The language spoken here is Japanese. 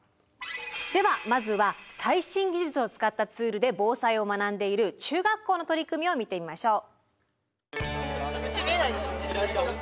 ではまずは最新技術を使ったツールで防災を学んでいる中学校の取り組みを見てみましょう。